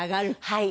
はい。